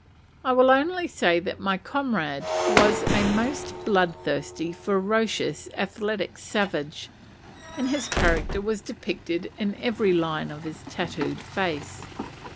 I will only say that my comrade was a most bloodthirsty, ferocious, athletic savage, and his character was depicted in every line of his tattooed face.